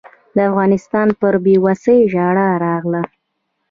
د افغانستان پر بېوسۍ ژړا راغله.